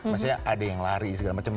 maksudnya ada yang lari segala macam